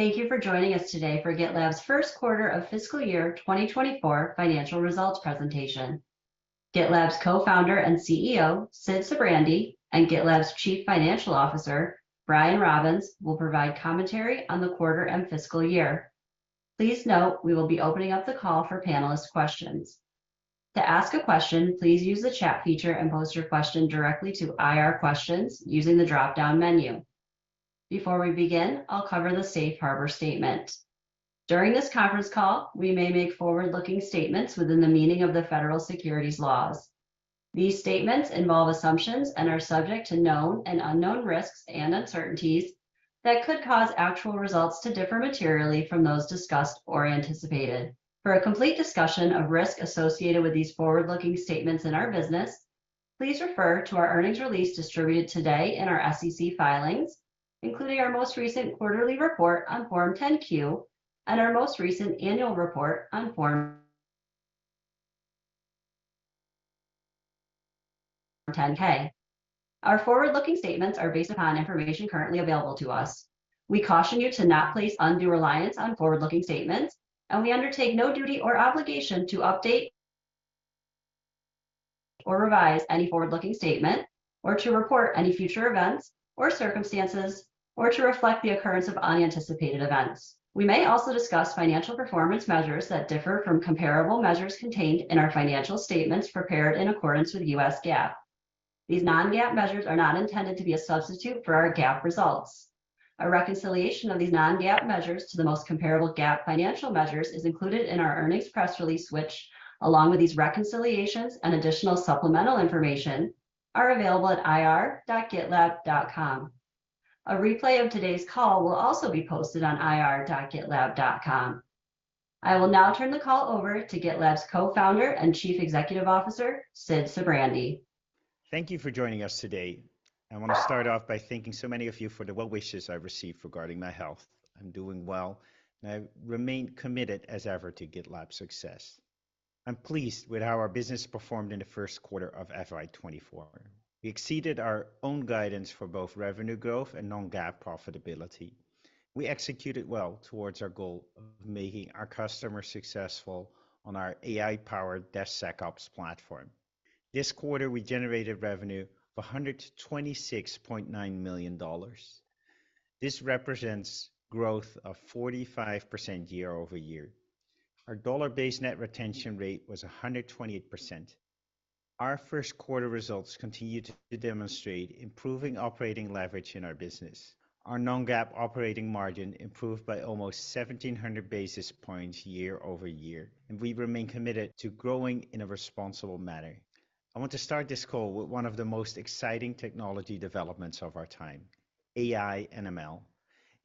Thank you for joining us today for GitLab's Q1 of fiscal year 2024 financial results presentation. GitLab's Co-Founder and CEO, Sid Sijbrandij, and GitLab's Chief Financial Officer, Brian Robins, will provide commentary on the quarter and fiscal year. Please note, we will be opening up the call for panelist questions. To ask a question, please use the chat feature and post your question directly to IR Questions using the dropdown menu. Before we begin, I'll cover the safe harbor statement. During this conference call, we may make forward-looking statements within the meaning of the federal securities laws. These statements involve assumptions and are subject to known and unknown risks and uncertainties that could cause actual results to differ materially from those discussed or anticipated. For a complete discussion of risk associated with these forward-looking statements in our business, please refer to our earnings release distributed today in our SEC filings, including our most recent quarterly report on Form 10-Q and our most recent annual report on Form 10-K. Our forward-looking statements are based upon information currently available to us. We caution you to not place undue reliance on forward-looking statements, and we undertake no duty or obligation to update or revise any forward-looking statement, or to report any future events or circumstances, or to reflect the occurrence of unanticipated events. We may also discuss financial performance measures that differ from comparable measures contained in our financial statements prepared in accordance with US GAAP. These non-GAAP measures are not intended to be a substitute for our GAAP results. A reconciliation of these non-GAAP measures to the most comparable GAAP financial measures is included in our earnings press release, which, along with these reconciliations and additional supplemental information, are available at ir.gitlab.com. A replay of today's call will also be posted on ir.gitlab.com. I will now turn the call over to GitLab's Co-Founder and Chief Executive Officer, Sid Sijbrandij. Thank you for joining us today. I want to start off by thanking so many of you for the well wishes I've received regarding my health. I'm doing well. I remain committed as ever to GitLab's success. I'm pleased with how our business performed in the Q1 of FY 2024. We exceeded our own guidance for both revenue growth and non-GAAP profitability. We executed well towards our goal of making our customers successful on our AI-powered DevSecOps platform. This quarter, we generated revenue of $126.9 million. This represents growth of 45% year-over-year. Our dollar-based net retention rate was 128%. Our Q1 results continue to demonstrate improving operating leverage in our business. Our non-GAAP operating margin improved by almost 1,700 basis points year-over-year. We remain committed to growing in a responsible manner. I want to start this call with one of the most exciting technology developments of our time, AI and ML.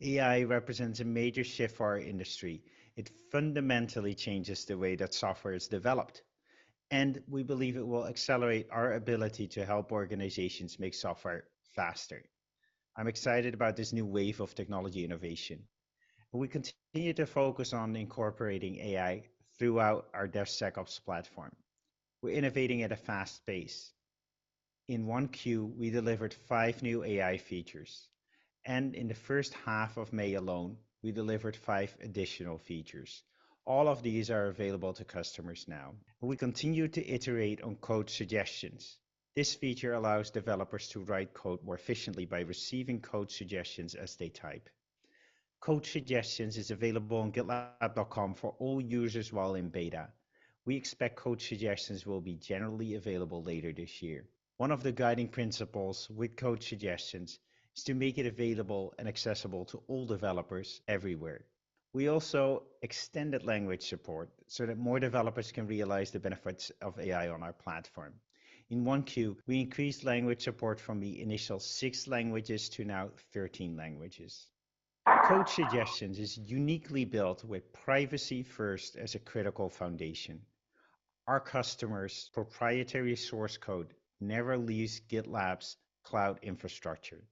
AI represents a major shift for our industry. It fundamentally changes the way that software is developed. We believe it will accelerate our ability to help organizations make software faster. I'm excited about this new wave of technology innovation. We continue to focus on incorporating AI throughout our DevSecOps platform. We're innovating at a fast pace. In Q1, we delivered five new AI features. In the H1 of May alone, we delivered five additional features. All of these are available to customers now. We continue to iterate on Code Suggestions. This feature allows developers to write code more efficiently by receiving code suggestions as they type. Code Suggestions is available on GitLab.com for all users while in beta. We expect Code Suggestions will be generally available later this year. One of the guiding principles with Code Suggestions is to make it available and accessible to all developers everywhere. We also extended language support so that more developers can realize the benefits of AI on our platform. In 1 Q, we increased language support from the initial six languages to now 13 languages. Code Suggestions is uniquely built with privacy first as a critical foundation. Our customers' proprietary source code never leaves GitLab's cloud infrastructure.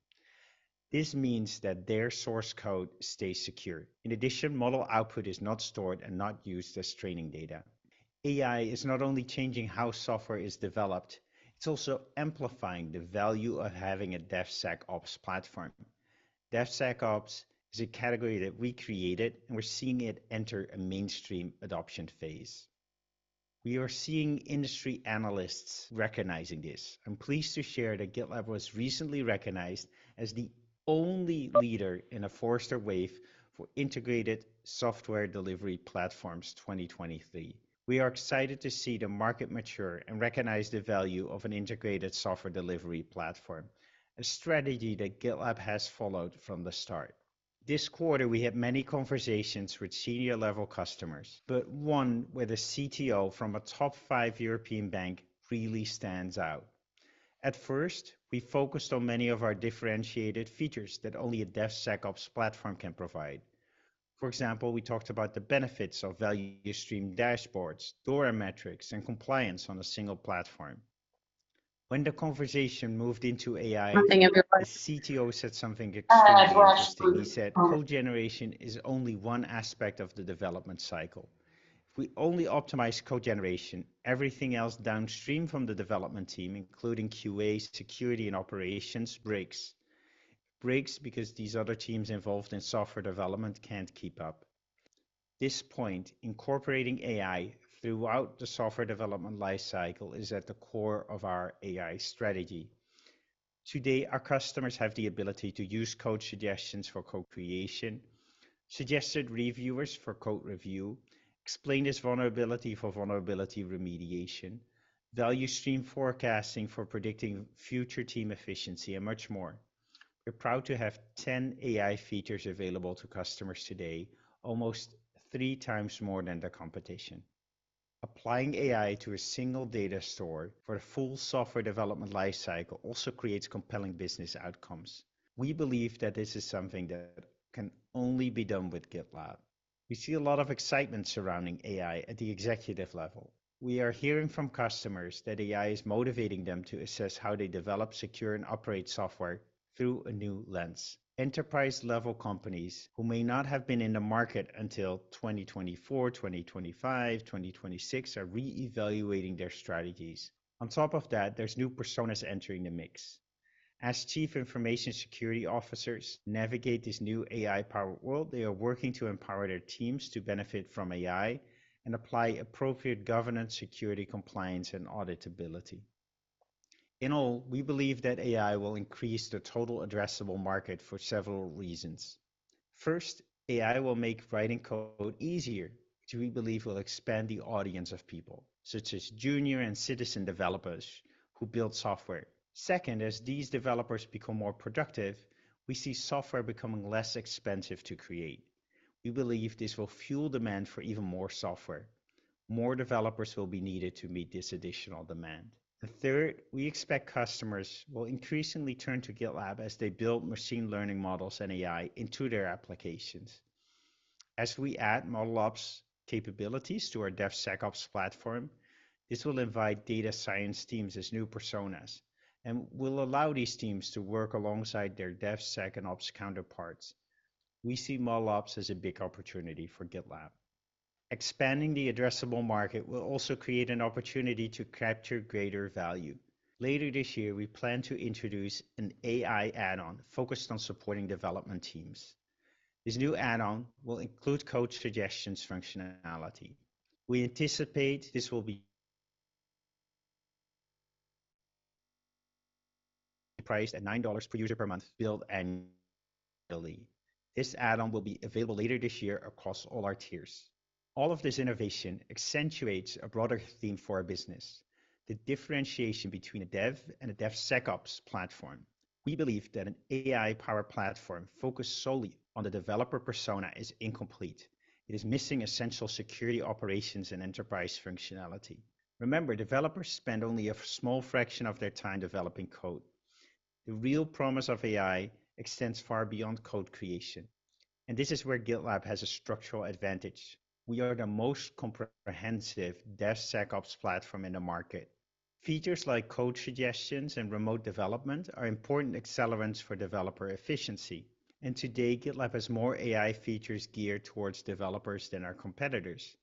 This means that their source code stays secure. In addition, model output is not stored and not used as training data. AI is not only changing how software is developed, it's also amplifying the value of having a DevSecOps platform. DevSecOps is a category that we created, and we're seeing it enter a mainstream adoption phase. We are seeing industry analysts recognizing this. I'm pleased to share that GitLab was recently recognized as the only leader in a Forrester Wave for integrated software delivery platforms 2023. We are excited to see the market mature and recognize the value of an integrated software delivery platform, a strategy that GitLab has followed from the start. This quarter, we had many conversations with senior-level customers, but one with a CTO from a top five European bank really stands out. At first, we focused on many of our differentiated features that only a DevSecOps platform can provide. For example, we talked about the benefits of Value Stream Dashboards, DORA metrics, and compliance on a single platform. When the conversation moved into AI. The CTO said something extremely interesting. He said, "Code generation is only one aspect of the development cycle." If we only optimize code generation, everything else downstream from the development team, including QAs, security, and operations, breaks. It breaks because these other teams involved in software development can't keep up. This point, incorporating AI throughout the software development lifecycle, is at the core of our AI strategy. Today, our customers have the ability to use Code Suggestions for code creation, Suggested Reviewers for code review, Explain this Vulnerability for vulnerability remediation, Value Stream Forecasting for predicting future team efficiency, and much more. We're proud to have 10 AI features available to customers today, almost 3x more than the competition. Applying AI to a single data store for a full software development lifecycle also creates compelling business outcomes. We believe that this is something that can only be done with GitLab. We see a lot of excitement surrounding AI at the executive level. We are hearing from customers that AI is motivating them to assess how they develop, secure, and operate software through a new lens. Enterprise-level companies who may not have been in the market until 2024, 2025, 2026, are reevaluating their strategies. On top of that, there's new personas entering the mix. As chief information security officers navigate this new AI-powered world, they are working to empower their teams to benefit from AI and apply appropriate governance, security, compliance, and auditability. In all, we believe that AI will increase the total addressable market for several reasons. First, AI will make writing code easier, which we believe will expand the audience of people, such as junior and citizen developers who build software. Second, as these developers become more productive, we see software becoming less expensive to create. We believe this will fuel demand for even more software. More developers will be needed to meet this additional demand. The third, we expect customers will increasingly turn to GitLab as they build machine learning models and AI into their applications. As we add ModelOps capabilities to our DevSecOps platform, this will invite data science teams as new personas and will allow these teams to work alongside their DevSec and Ops counterparts. We see ModelOps as a big opportunity for GitLab. Expanding the addressable market will also create an opportunity to capture greater value. Later this year, we plan to introduce an AI add-on focused on supporting development teams. This new add-on will include Code Suggestions functionality. We anticipate this will be priced at $9 per user per month billed annually. This add-on will be available later this year across all our tiers. All of this innovation accentuates a broader theme for our business, the differentiation between a Dev and a DevSecOps platform. We believe that an AI-powered platform focused solely on the developer persona is incomplete. It is missing essential security operations and enterprise functionality. Remember, developers spend only a small fraction of their time developing code. This is where GitLab has a structural advantage. We are the most comprehensive DevSecOps platform in the market. Features like Code Suggestions and remote development are important accelerants for developer efficiency. Today, GitLab has more AI features geared towards developers than our competitors.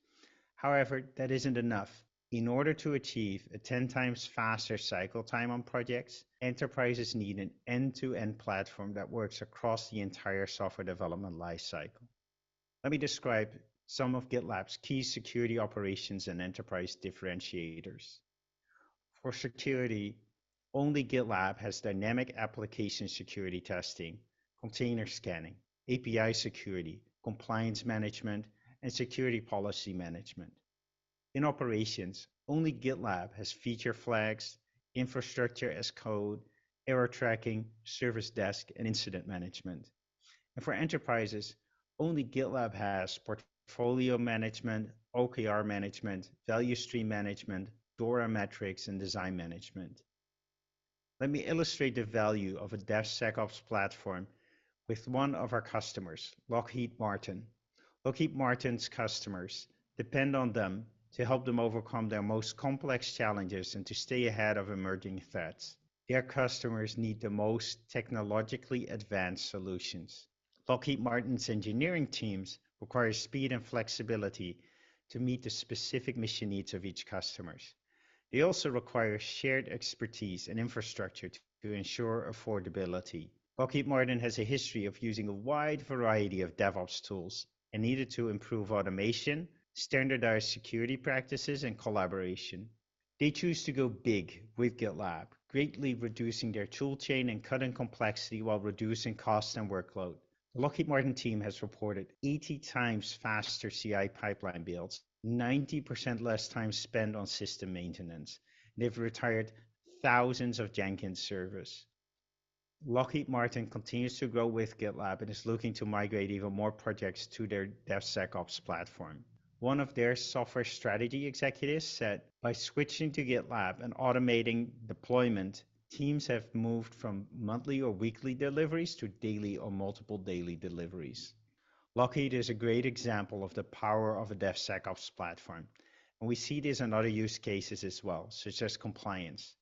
However, that isn't enough. In order to achieve a 10 times faster cycle time on projects, enterprises need an end-to-end platform that works across the entire software development lifecycle. Let me describe some of GitLab's key security operations and enterprise differentiators. For security, only GitLab has dynamic application security testing, container scanning, API security, compliance management, and security policy management. In operations, only GitLab has feature flags, infrastructure as code, error tracking, service desk, and incident management. For enterprises, only GitLab has portfolio management, OKR management, value stream management, DORA metrics, and design management. Let me illustrate the value of a DevSecOps platform with one of our customers, Lockheed Martin. Lockheed Martin's customers depend on them to help them overcome their most complex challenges and to stay ahead of emerging threats. Their customers need the most technologically advanced solutions. Lockheed Martin's engineering teams require speed and flexibility to meet the specific mission needs of each customers. They also require shared expertise and infrastructure to ensure affordability. Lockheed Martin has a history of using a wide variety of DevOps tools and needed to improve automation, standardize security practices, and collaboration. They choose to go big with GitLab, greatly reducing their tool chain and cutting complexity while reducing costs and workload. The Lockheed Martin team has reported 80 times faster CI pipeline builds, 90% less time spent on system maintenance, and they've retired thousands of Jenkins servers. Lockheed Martin continues to grow with GitLab and is looking to migrate even more projects to their DevSecOps platform. One of their software strategy executives said, "By switching to GitLab and automating deployment, teams have moved from monthly or weekly deliveries to daily or multiple daily deliveries." Lockheed is a great example of the power of a DevSecOps platform. We see this in other use cases as well, such as compliance.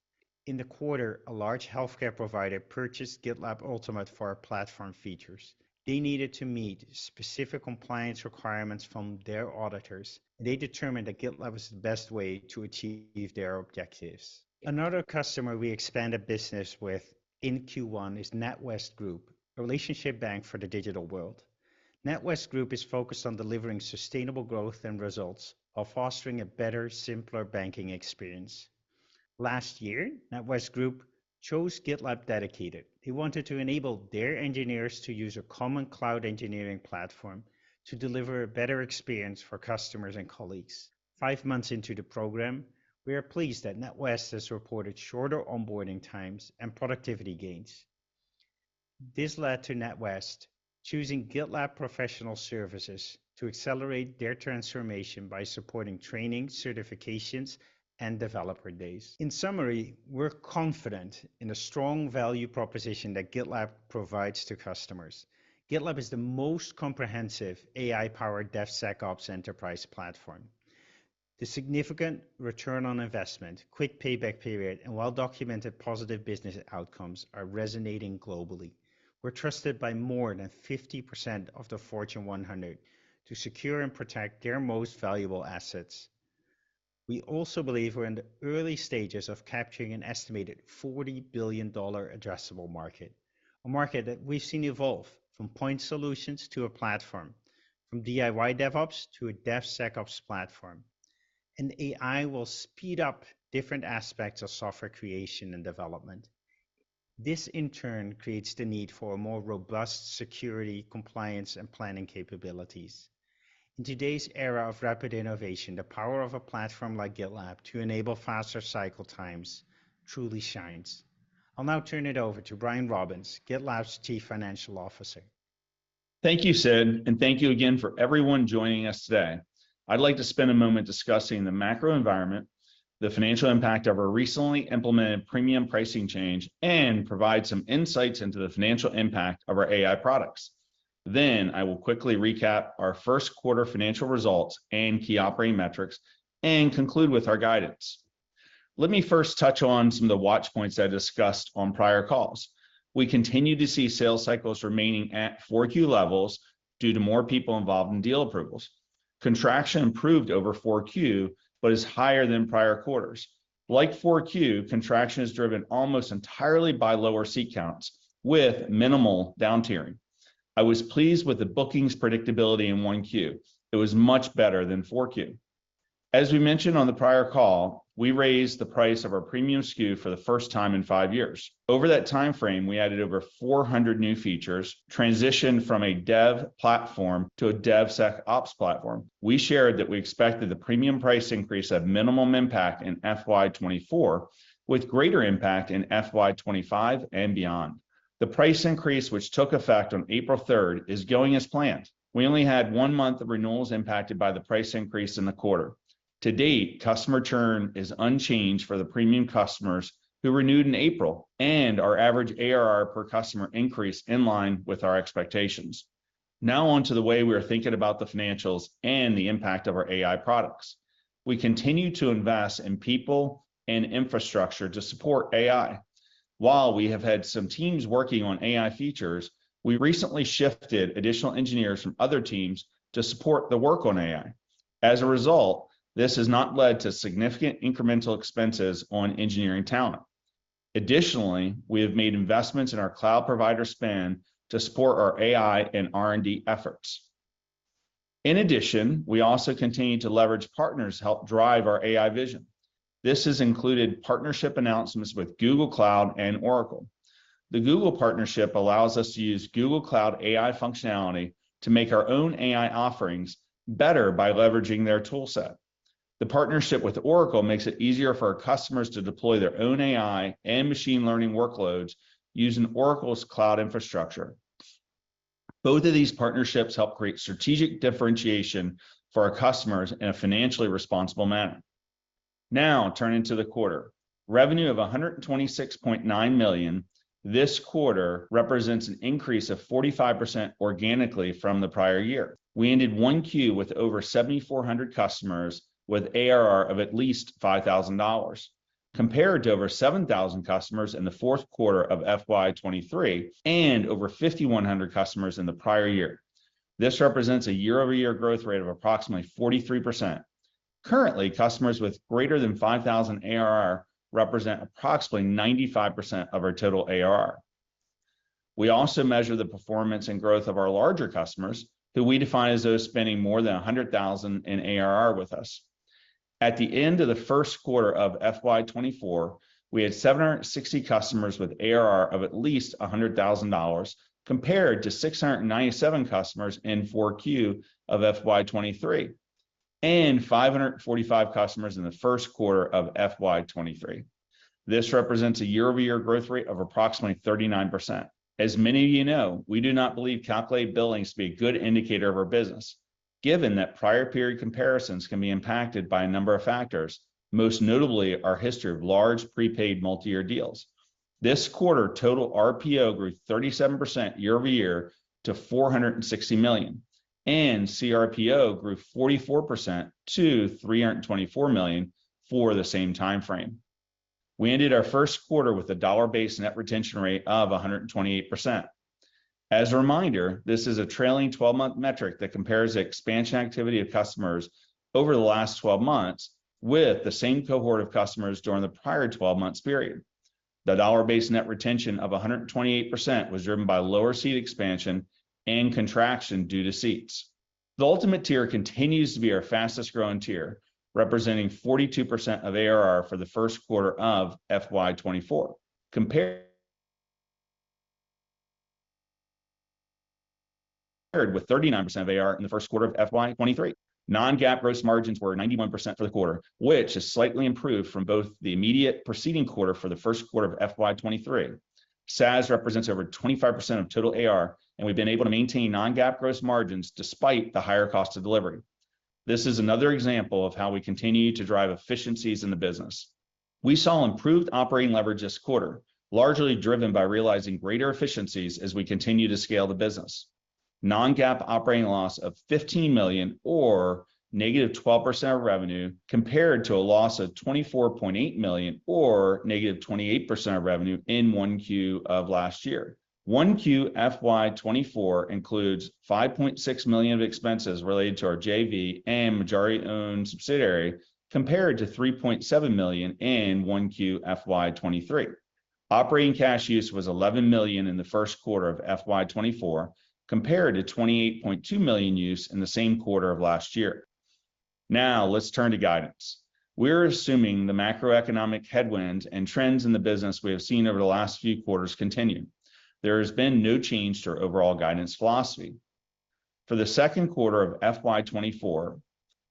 In the quarter, a large healthcare provider purchased GitLab Ultimate for our platform features. They needed to meet specific compliance requirements from their auditors, and they determined that GitLab was the best way to achieve their objectives. Another customer we expanded business with in Q1 is NatWest Group, a relationship bank for the digital world. NatWest Group is focused on delivering sustainable growth and results while fostering a better, simpler banking experience. Last year, NatWest Group chose GitLab Dedicated. They wanted to enable their engineers to use a common cloud engineering platform to deliver a better experience for customers and colleagues. Five months into the program, we are pleased that NatWest has reported shorter onboarding times and productivity gains. This led to NatWest choosing GitLab Professional Services to accelerate their transformation by supporting training, certifications, and developer days. In summary, we're confident in the strong value proposition that GitLab provides to customers. GitLab is the most comprehensive AI-powered DevSecOps enterprise platform. The significant return on investment, quick payback period, and well-documented positive business outcomes are resonating globally. We're trusted by more than 50% of the Fortune 100 to secure and protect their most valuable assets. We also believe we're in the early stages of capturing an estimated $40 billion addressable market, a market that we've seen evolve from point solutions to a platform, from DIY DevOps to a DevSecOps platform. AI will speed up different aspects of software creation and development. This, in turn, creates the need for a more robust security, compliance, and planning capabilities. In today's era of rapid innovation, the power of a platform like GitLab to enable faster cycle times truly shines. I'll now turn it over to Brian Robins, GitLab's Chief Financial Officer. Thank you, Sid. Thank you again for everyone joining us today. I'd like to spend a moment discussing the macro environment, the financial impact of our recently implemented Premium pricing change, and provide some insights into the financial impact of our AI products. I will quickly recap our Q1 financial results and key operating metrics and conclude with our guidance. Let me first touch on some of the watch points I discussed on prior calls. We continue to see sales cycles remaining at Q4 levels due to more people involved in deal approvals. Contraction improved over Q4, but is higher than prior quarters. Like Q4, contraction is driven almost entirely by lower seat counts with minimal downtiering. I was pleased with the bookings predictability in Q1. It was much better than Q4. As we mentioned on the prior call, we raised the price of our Premium SKU for the first time in five years. Over that timeframe, we added over 400 new features, transitioned from a dev platform to a DevSecOps platform. We shared that we expected the Premium price increase to have minimum impact in FY 2024, with greater impact in FY 2025 and beyond. The price increase, which took effect on April third, is going as planned. We only had one month of renewals impacted by the price increase in the quarter. To date, customer churn is unchanged for the Premium customers who renewed in April, and our average ARR per customer increased in line with our expectations. Now on to the way we are thinking about the financials and the impact of our AI products. We continue to invest in people and infrastructure to support AI. While we have had some teams working on AI features, we recently shifted additional engineers from other teams to support the work on AI. As a result, this has not led to significant incremental expenses on engineering talent. Additionally, we have made investments in our cloud provider span to support our AI and R&D efforts. In addition, we also continue to leverage partners to help drive our AI vision. This has included partnership announcements with Google Cloud and Oracle. The Google partnership allows us to use Google Cloud AI functionality to make our own AI offerings better by leveraging their toolset. The partnership with Oracle makes it easier for our customers to deploy their own AI and machine learning workloads using Oracle's Cloud Infrastructure. Both of these partnerships help create strategic differentiation for our customers in a financially responsible manner. Now, turning to the quarter. Revenue of $126.9 million this quarter represents an increase of 45% organically from the prior year. We ended Q1 with over 7,400 customers, with ARR of at least $5,000, compared to over 7,000 customers in the Q4 of FY 2023 and over 5,100 customers in the prior year. This represents a year-over-year growth rate of approximately 43%. Currently, customers with greater than $5,000 ARR represent approximately 95% of our total ARR. We also measure the performance and growth of our larger customers, who we define as those spending more than $100,000 in ARR with us. At the end of the Q1 of FY 2024, we had 760 customers with ARR of at least $100,000, compared to 697 customers in Q4 of FY 2023, and 545 customers in the Q1 of FY 2023. This represents a year-over-year growth rate of approximately 39%. As many of you know, we do not believe calculated billings to be a good indicator of our business, given that prior period comparisons can be impacted by a number of factors, most notably our history of large, prepaid, multi-year deals. This quarter, total RPO grew 37% year-over-year to $460 million, and CRPO grew 44% to $324 million for the same time frame. We ended our Q1 with a dollar-based net retention rate of 128%. As a reminder, this is a trailing 12-month metric that compares the expansion activity of customers over the last 12 months with the same cohort of customers during the prior 12 months period. The dollar-based net retention of 128% was driven by lower seat expansion and contraction due to seats. The Ultimate continues to be our fastest-growing tier, representing 42% of ARR for the Q1 of FY 2024, compared with 39% of ARR in the Q1 of FY 2023. non-GAAP gross margins were 91% for the quarter, which is slightly improved from both the immediate preceding quarter for the Q1 of FY 2023. SaaS represents over 25% of total ARR. We've been able to maintain non-GAAP gross margins despite the higher cost of delivery. This is another example of how we continue to drive efficiencies in the business. We saw improved operating leverage this quarter, largely driven by realizing greater efficiencies as we continue to scale the business. Non-GAAP operating loss of $15 million, or -12% of revenue, compared to a loss of $24.8 million, or -28% of revenue in Q1 of last year. Q1 FY 2024 includes $5.6 million of expenses related to our JV and majority-owned subsidiary, compared to $3.7 million in Q1 FY 2023. Operating cash use was $11 million in the Q1 of FY 2024, compared to $28.2 million use in the same quarter of last year. Let's turn to guidance. We're assuming the macroeconomic headwinds and trends in the business we have seen over the last few quarters continue. There has been no change to our overall non-GAAP guidance philosophy. For the second quarter of FY 2024,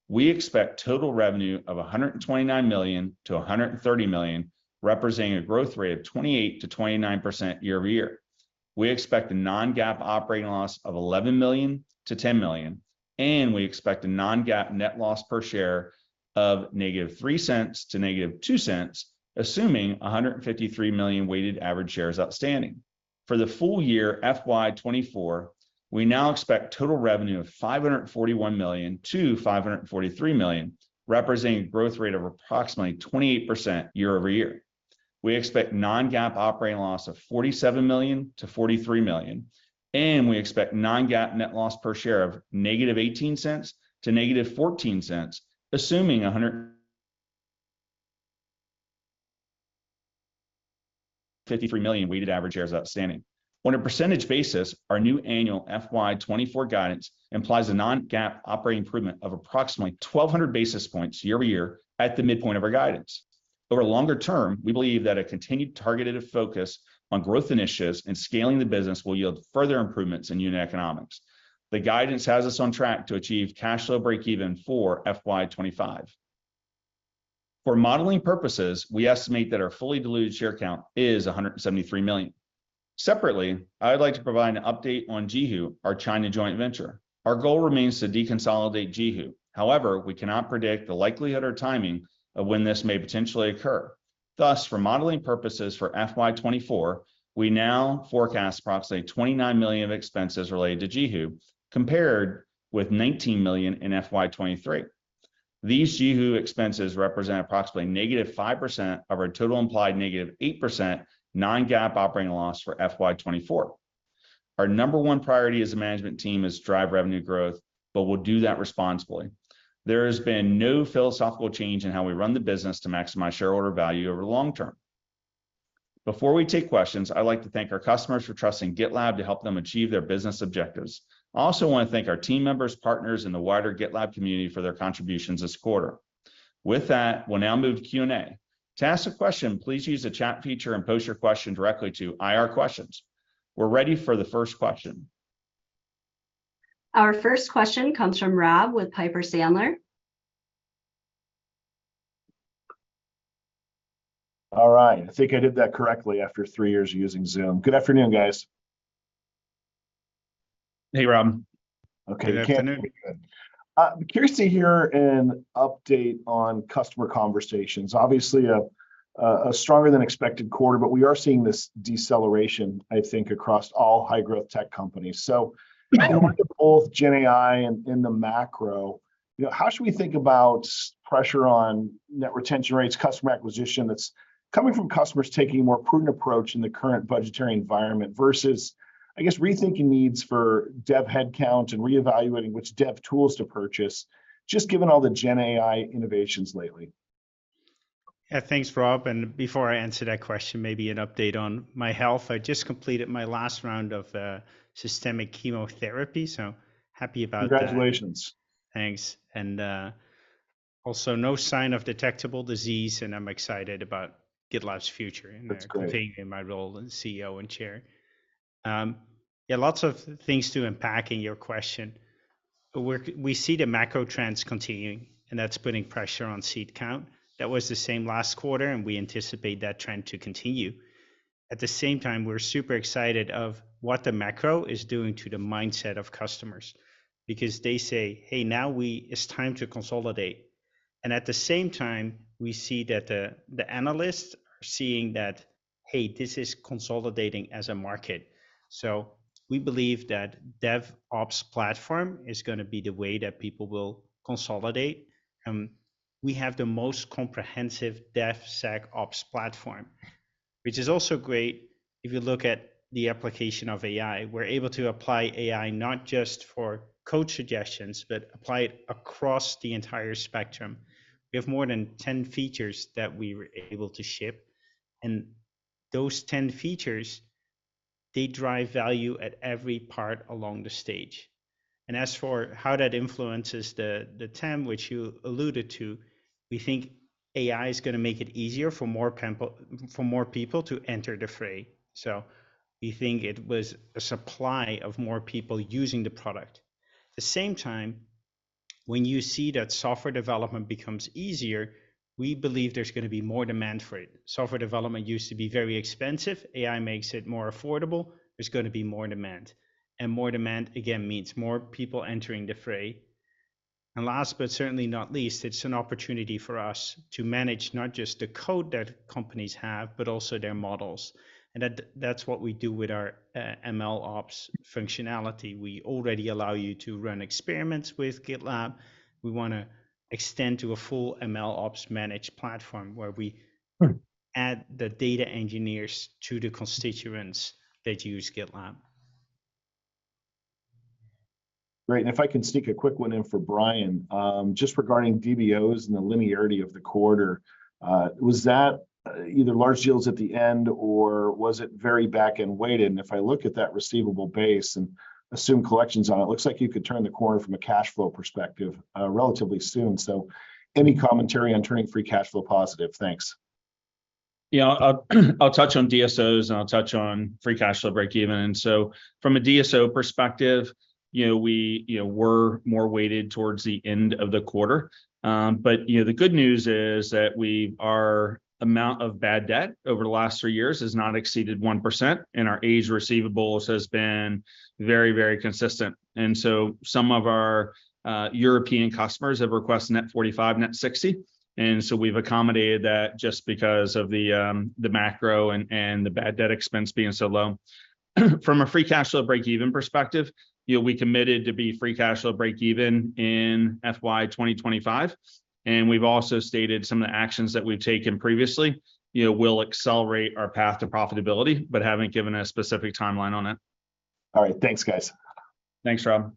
we expect total revenue of $129 million to $130 million, representing a growth rate of 28%-29% year-over-year. We expect a non-GAAP operating loss of $11 million to $10 million, we expect a non-GAAP net loss per share of -$0.03 to -$0.02, assuming 153 million weighted average shares outstanding. For the full year, FY 2024, we now expect total revenue of $541 million to $543 million, representing a growth rate of approximately 28% year-over-year. We expect non-GAAP operating loss of $47 million-$43 million, we expect non-GAAP net loss per share of -$0.18 to -$0.14, assuming 153 million weighted average shares outstanding. On a percentage basis, our new annual FY 2024 guidance implies a non-GAAP operating improvement of approximately 1,200 basis points year-over-year at the midpoint of our guidance. Over longer term, we believe that a continued targeted focus on growth initiatives and scaling the business will yield further improvements in unit economics. The guidance has us on track to achieve cash flow breakeven for FY 2025. For modeling purposes, we estimate that our fully diluted share count is 173 million. Separately, I would like to provide an update on JiHu, our China joint venture. Our goal remains to deconsolidate JiHu. However, we cannot predict the likelihood or timing of when this may potentially occur. Thus, for modeling purposes for FY 2024, we now forecast approximately $29 million of expenses related to JiHu, compared with $19 million in FY 2023. These JiHu expenses represent approximately -5% of our total implied -8% non-GAAP operating loss for FY 2024. Our number one priority as a management team is to drive revenue growth, but we'll do that responsibly. There has been no philosophical change in how we run the business to maximize shareholder value over the long term. Before we take questions, I'd like to thank our customers for trusting GitLab to help them achieve their business objectives. I also want to thank our team members, partners, and the wider GitLab community for their contributions this quarter. With that, we'll now move to Q&A. To ask a question, please use the chat feature and post your question directly to IR Questions. We're ready for the first question. Our first question comes from Rob with Piper Sandler. All right, I think I did that correctly after three years of using Zoom. Good afternoon, guys. Hey, Rob. Okay, Good afternoon. I'm curious to hear an update on customer conversations. Obviously, a stronger than expected quarter, we are seeing this deceleration, I think, across all high-growth tech companies. looking at both GenAI and the macro, you know, how should we think about pressure on net retention rates, customer acquisition, that's coming from customers taking a more prudent approach in the current budgetary environment versus, I guess, rethinking needs for dev headcount and reevaluating which dev tools to purchase, just given all the GenAI innovations lately? Yeah, thanks, Rob. Before I answer that question, maybe an update on my health. I just completed my last round of systemic chemotherapy. Happy about that. Congratulations. Thanks. Also no sign of detectable disease, and I'm excited about GitLab's future. That's great.... and continuing in my role as CEO and chair. Yeah, lots of things to unpack in your question, but we see the macro trends continuing, and that's putting pressure on seat count. That was the same last quarter, and we anticipate that trend to continue. At the same time, we're super excited of what the macro is doing to the mindset of customers, because they say, "Hey, It's time to consolidate." At the same time, we see that the analysts are seeing that, "Hey, this is consolidating as a market." We believe that dev ops platform is going to be the way that people will consolidate, we have the most comprehensive DevSecOps platform, which is also great if you look at the application of AI. We're able to apply AI not just for Code Suggestions, but apply it across the entire spectrum. We have more than 10 features that we were able to ship, and those 10 features, they drive value at every part along the stage. As for how that influences the TAM which you alluded to, we think AI is going to make it easier for more people to enter the fray. We think it was a supply of more people using the product. At the same time, when you see that software development becomes easier, we believe there's going to be more demand for it. Software development used to be very expensive, AI makes it more affordable, there's going to be more demand, and more demand, again, means more people entering the fray. Last, but certainly not least, it's an opportunity for us to manage not just the code that companies have, but also their models, and that's what we do with our MLOps functionality. We already allow you to run experiments with GitLab. We want to extend to a full MLOps managed platform. Hmm... add the data engineers to the constituents that use GitLab. Great, if I can sneak a quick one in for Brian, just regarding DSOs and the linearity of the quarter, was that either large deals at the end, or was it very back-end weighted? If I look at that receivable base and assume collections on it, looks like you could turn the corner from a cash flow perspective, relatively soon. Any commentary on turning free cash flow positive? Thanks. Yeah, I'll touch on DSOs, and I'll touch on free cash flow breakeven. From a DSO perspective, you know, we were more weighted towards the end of the quarter. You know, the good news is that our amount of bad debt over the last three years has not exceeded 1%, and our age receivables has been very, very consistent. Some of our European customers have requested net 45, net 60, and so we've accommodated that just because of the macro and the bad debt expense being so low. From a free cash flow breakeven perspective, you know, we committed to be free cash flow breakeven in FY 2025, and we've also stated some of the actions that we've taken previously. You know, we'll accelerate our path to profitability, but haven't given a specific timeline on it. All right. Thanks, guys. Thanks, Rob.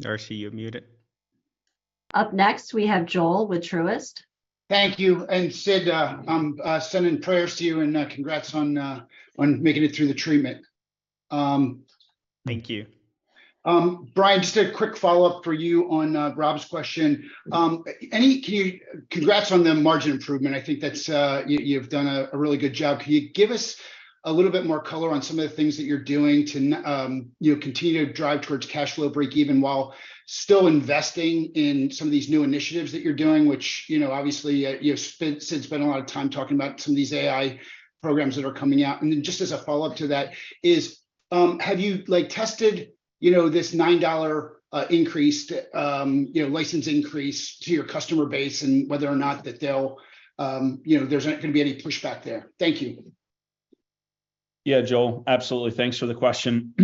Darcy, you're muted. Up next, we have Joel with Truist. Thank you. Sid, I'm sending prayers to you. Congrats on making it through the treatment. Thank you. Brian, just a quick follow-up for you on Rob Owens' question. Congrats on the margin improvement. I think that's, you've done a really good job. Can you give us a little bit more color on some of the things that you're doing to, you know, continue to drive towards cash flow breakeven, while still investing in some of these new initiatives that you're doing, which, you know, obviously, you've spent, Sid spent a lot of time talking about some of these AI programs that are coming out? Just as a follow-up to that is, have you, like, tested, you know, this $9 increase, you know, license increase to your customer base, and whether or not that they'll, you know, there's not going to be any pushback there? Thank you. Yeah, Joel, absolutely. Thanks for the question.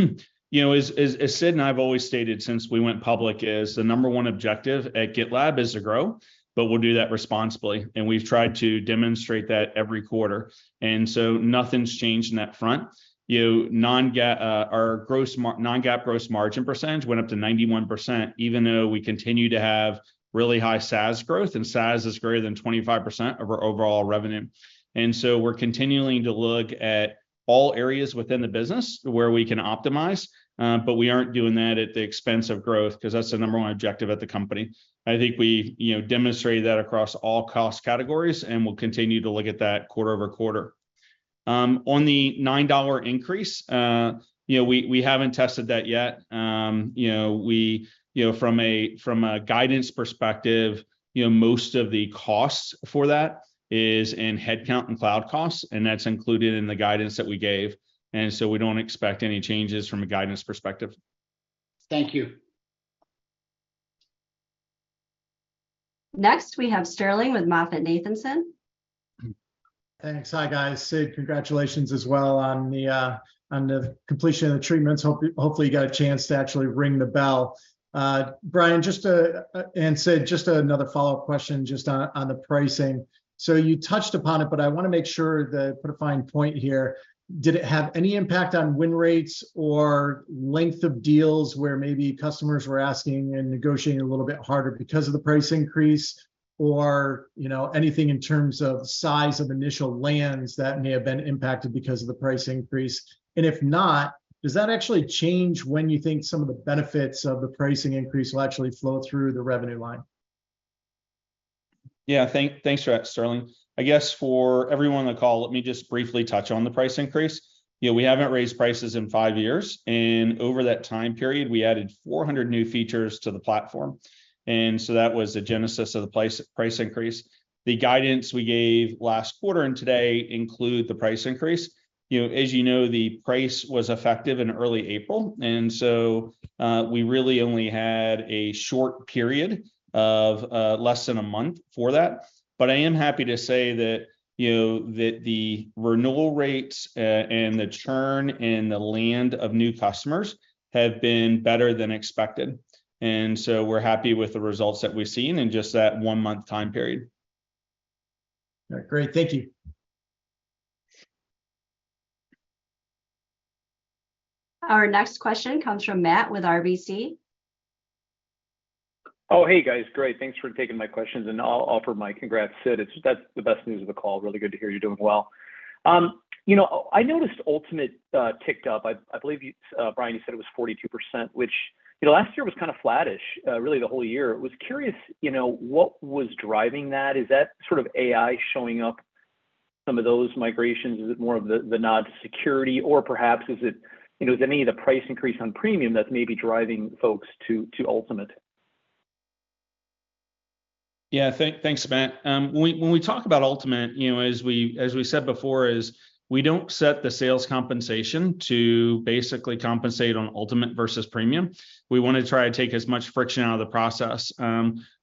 You know, as Sid and I have always stated since we went public is the number one objective at GitLab is to grow, but we'll do that responsibly, and we've tried to demonstrate that every quarter. Nothing's changed on that front. You know, non-GAAP gross margin percentage went up to 91%, even though we continue to have really high SaaS growth, and SaaS is greater than 25% of our overall revenue. We're continuing to look at all areas within the business where we can optimize, but we aren't doing that at the expense of growth, 'cause that's the number one objective at the company. I think we, you know, demonstrated that across all cost categories, and we'll continue to look at that quarter-over-quarter. On the $9 increase, we haven't tested that yet. From a guidance perspective, most of the costs for that is in headcount and cloud costs, and that's included in the guidance that we gave. We don't expect any changes from a guidance perspective. Thank you. Next, we have Sterling with MoffettNathanson. Thanks. Hi, guys. Sid, congratulations as well on the completion of the treatments. Hopefully you got a chance to actually ring the bell. Brian, just and Sid, just another follow-up question just on the pricing. You touched upon it, but I want to make sure that I put a fine point here. Did it have any impact on win rates or length of deals, where maybe customers were asking and negotiating a little bit harder because of the price increase? You know, anything in terms of size of initial lands that may have been impacted because of the price increase? If not, does that actually change when you think some of the benefits of the pricing increase will actually flow through the revenue line? Yeah, thanks for that, Sterling. I guess for everyone on the call, let me just briefly touch on the price increase. You know, we haven't raised prices in 5 years, and over that time period, we added 400 new features to the platform. That was the genesis of the price increase. The guidance we gave last quarter and today include the price increase. You know, as you know, the price was effective in early April, and so we really only had a short period of less than a month for that. I am happy to say that, you know, that the renewal rates and the churn in the land of new customers have been better than expected. We're happy with the results that we've seen in just that 1-month time period. Great. Thank you. Our next question comes from Matt with RBC. Hey, guys. Great, thanks for taking my questions, and I'll offer my congrats, Sid. That's the best news of the call. Really good to hear you're doing well. You know, I noticed Ultimate ticked up. I believe you, Brian, you said it was 42%, which, you know, last year was kind of flattish, really the whole year. Was curious, you know, what was driving that? Is that sort of AI showing up some of those migrations? Is it more of the nod to security, or perhaps is it, you know, is any of the price increase on Premium that's maybe driving folks to Ultimate? Thanks, Matt. When we talk about Ultimate, you know, as we said before, we don't set the sales compensation to basically compensate on Ultimate versus Premium. We want to try to take as much friction out of the process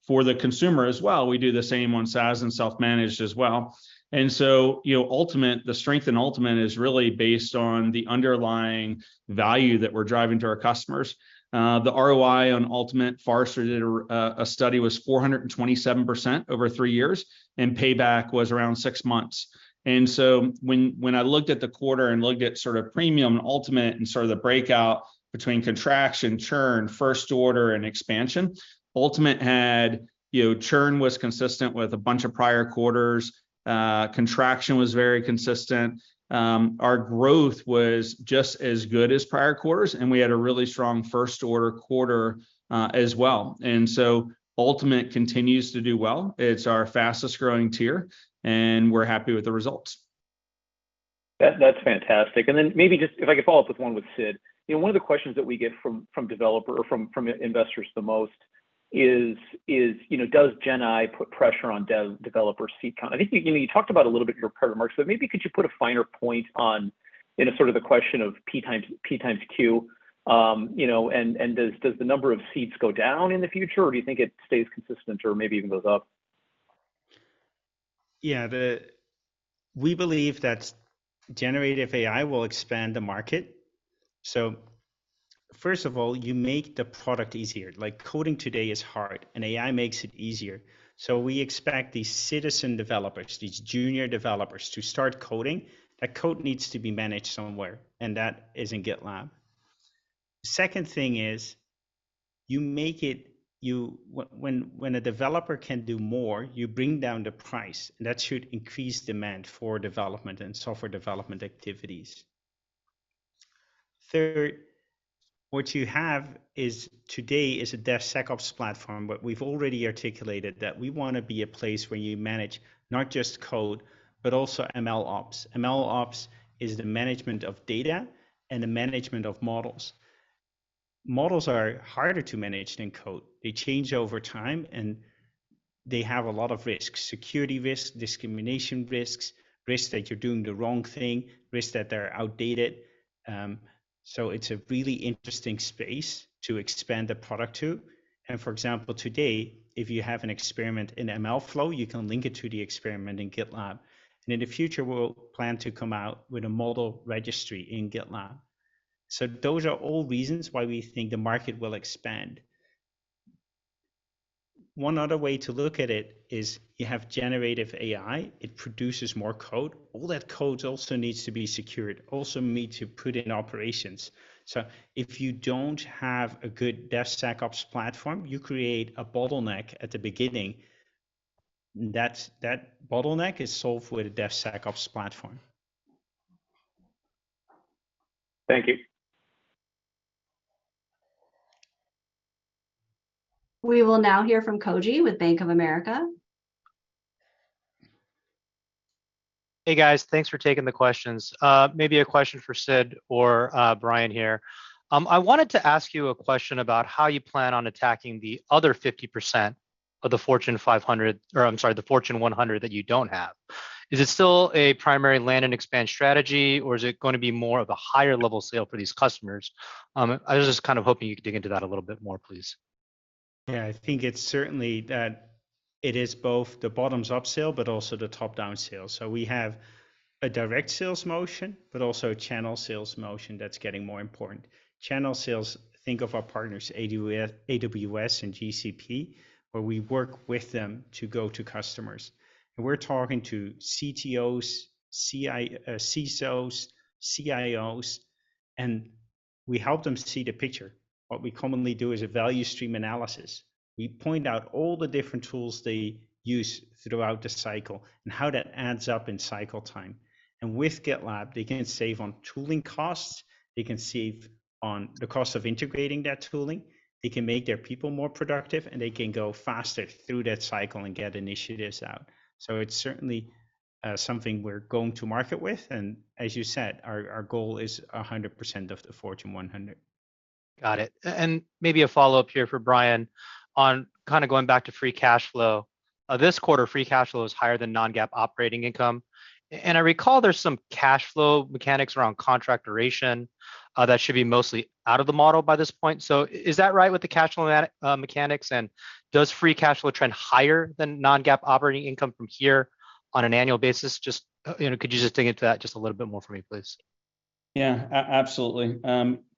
for the consumer as well. We do the same on SaaS and self-managed as well. You know, Ultimate, the strength in Ultimate is really based on the underlying value that we're driving to our customers. The ROI on Ultimate, Forrester did a study, was 427% over three years, and payback was around six months. When I looked at the quarter and looked at sort of Premium and Ultimate and sort of the breakout between contraction, churn, first order, and expansion, Ultimate had... You know, churn was consistent with a bunch of prior quarters, contraction was very consistent. Our growth was just as good as prior quarters, we had a really strong first-order quarter as well. Ultimate continues to do well. It's our fastest-growing tier, we're happy with the results. That's fantastic. Then maybe just if I could follow up with one with Sid. You know, one of the questions that we get from investors the most is, you know, does GenAI put pressure on developer seat count? I think, you know, you talked about it a little bit in your prepared remarks, but maybe could you put a finer point on, in a sort of the question of P times Q? You know, and does the number of seats go down in the future, or do you think it stays consistent or maybe even goes up? Yeah, we believe that generative AI will expand the market. First of all, you make the product easier, like coding today is hard, and AI makes it easier. We expect these citizen developers, these junior developers, to start coding. That code needs to be managed somewhere, and that is in GitLab. Second thing is, you make it. When a developer can do more, you bring down the price, and that should increase demand for development and software development activities. Third, what you have is, today, is a DevSecOps platform, but we've already articulated that we want to be a place where you manage not just code, but also MLOps. MLOps is the management of data and the management of models. Models are harder to manage than code. They change over time, and they have a lot of risks: security risks, discrimination risks that you're doing the wrong thing, risks that they're outdated. It's a really interesting space to expand the product to. For example, today, if you have an experiment in MLflow, you can link it to the experiment in GitLab. In the future, we'll plan to come out with a model registry in GitLab. Those are all reasons why we think the market will expand. One other way to look at it is you have generative AI. It produces more code. All that code also needs to be secured, also need to put in operations. If you don't have a good DevSecOps platform, you create a bottleneck at the beginning. That bottleneck is solved with a DevSecOps platform. Thank you. We will now hear from Koji with Bank of America. Hey, guys. Thanks for taking the questions. Maybe a question for Sid or Brian here. I wanted to ask you a question about how you plan on attacking the other 50% of the Fortune 500- or I'm sorry, the Fortune 100 that you don't have. Is it still a primary land and expand strategy, or is it going to be more of a higher level sale for these customers? I was just kind of hoping you could dig into that a little bit more, please. I think it's certainly that it is both the bottoms-up sale, also the top-down sale. We have a direct sales motion, also a channel sales motion that's getting more important. Channel sales, think of our partners, AWS and GCP, where we work with them to go to customers. We're talking to CTOs, CSOs, CIOs, and we help them see the picture. What we commonly do is a value stream analysis. We point out all the different tools they use throughout the cycle and how that adds up in cycle time. With GitLab, they can save on tooling costs, they can save on the cost of integrating that tooling, they can make their people more productive, and they can go faster through that cycle and get initiatives out. It's certainly something we're going to market with, and as you said, our goal is 100% of the Fortune 100. Got it. Maybe a follow-up here for Brian on kind of going back to free cash flow. This quarter, free cash flow is higher than non-GAAP operating income. I recall there's some cash flow mechanics around contract duration that should be mostly out of the model by this point. Is that right with the cash flow mechanics, and does free cash flow trend higher than non-GAAP operating income from here on an annual basis? Just, you know, could you just dig into that just a little bit more for me, please? Yeah, absolutely.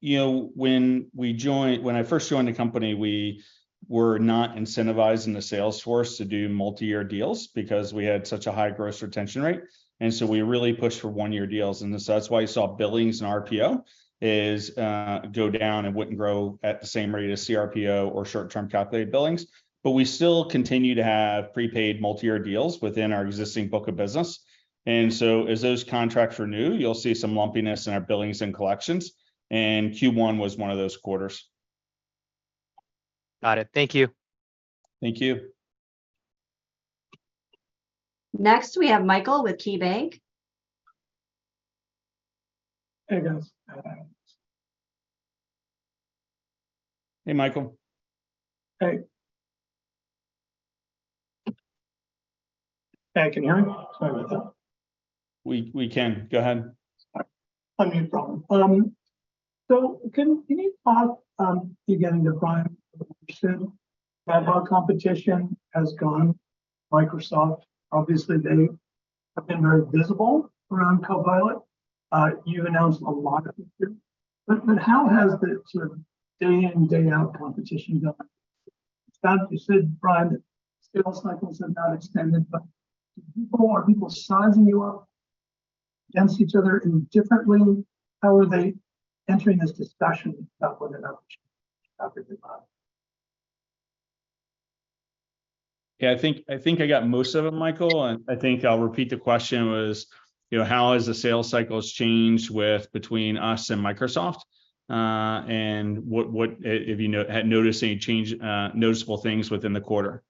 you know, when I first joined the company, we were not incentivizing the sales force to do multi-year deals because we had such a high gross retention rate. We really pushed for one-year deals, that's why you saw billings and RPO is go down and wouldn't grow at the same rate as CRPO or short-term calculated billings. We still continue to have prepaid multi-year deals within our existing book of business. As those contracts renew, you'll see some lumpiness in our billings and collections. Q1 was one of those quarters. Got it. Thank you. Thank you. Next, we have Michael with KeyBanc. Hey, guys. Hey, Michael. Hey. Hey, can you hear me? Sorry about that. We can. Go ahead. All right. Okay, no problem. Can you talk again to Brian soon about how competition has gone? Microsoft, obviously, they have been very visible around Copilot. You've announced a lot of it here, how has the sort of day in and day out competition gone? It's not, you said, Brian, that sales cycles have not extended, are people sizing you up against each other in different ways? How are they entering this discussion about what an option after the Copilot? I think I got most of it, Michael. I think I'll repeat the question was, you know, how has the sales cycles changed with between us and Microsoft? What have you noticed any change, noticeable things within the quarter?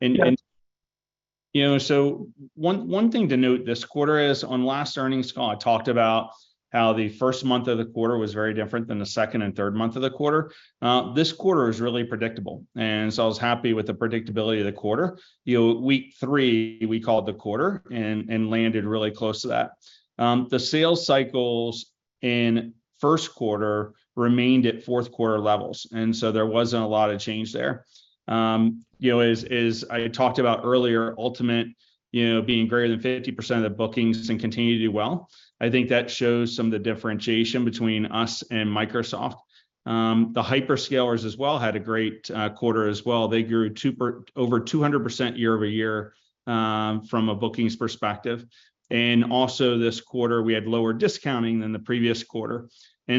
Yeah. You know, one thing to note this quarter is, on last earnings call, I talked about how the first month of the quarter was very different than the second and third month of the quarter. This quarter is really predictable, I was happy with the predictability of the quarter. You know, week three, we called the quarter and landed really close to that. The sales cycles in Q1 remained at Q4 levels, there wasn't a lot of change there. You know, as I had talked about earlier, Ultimate, you know, being greater than 50% of the bookings and continue to do well. I think that shows some of the differentiation between us and Microsoft. The hyperscalers as well had a great quarter as well. They grew over 200% year-over-year, from a bookings perspective. Also this quarter, we had lower discounting than the previous quarter.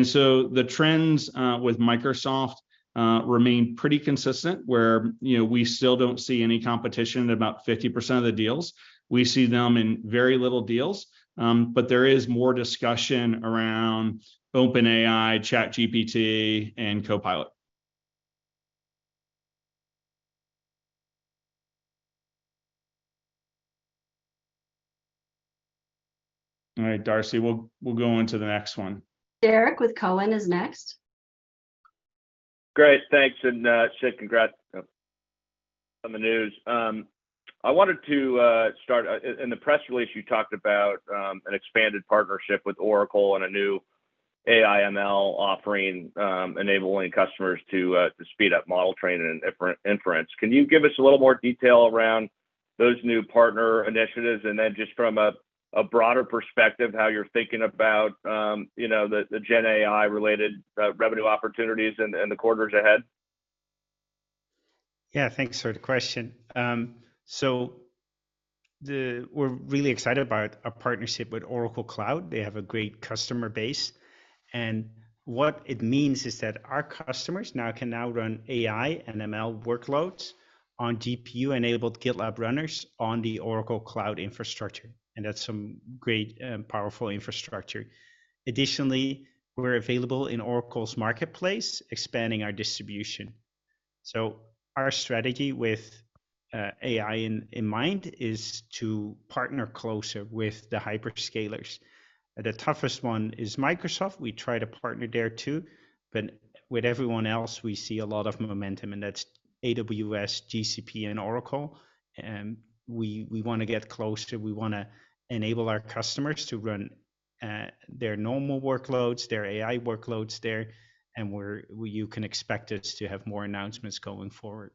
So the trends with Microsoft remain pretty consistent, where, you know, we still don't see any competition in about 50% of the deals. We see them in very little deals, but there is more discussion around OpenAI, ChatGPT, and Copilot. Right, Darcy, we'll go on to the next one. Derrick with Cowen is next. Great, thanks. Sid, congrats on the news. I wanted to start in the press release, you talked about an expanded partnership with Oracle and a new AI, ML offering, enabling customers to speed up model training and inference. Can you give us a little more detail around those new partner initiatives? Just from a broader perspective, how you're thinking about, you know, the GenAI-related revenue opportunities and the quarters ahead. Thanks for the question. We're really excited about our partnership with Oracle Cloud. They have a great customer base, and what it means is that our customers now can now run AI and ML workloads on GPU-enabled GitLab runners on the Oracle Cloud Infrastructure, and that's some great, powerful infrastructure. Additionally, we're available in Oracle Cloud Marketplace, expanding our distribution. Our strategy with AI in mind is to partner closer with the hyperscalers. The toughest one is Microsoft. We try to partner there too, but with everyone else, we see a lot of momentum, and that's AWS, GCP, and Oracle. We want to get close to. We want to enable our customers to run their normal workloads, their AI workloads there, and you can expect us to have more announcements going forward.